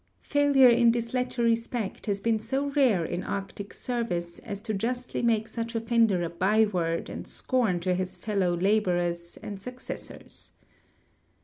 Failure in this latter respect has been so rare in Arctic service as to justly make such offender a byword and scorn to his fellow laborers and suc cessors.